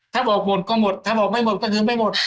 ถ้าบอกหมดก็หมดถ้าบอกไม่หมดก็คือไม่หมด